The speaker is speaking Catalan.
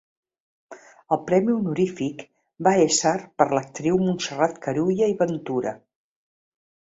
El premi honorífic va ésser per l'actriu Montserrat Carulla i Ventura.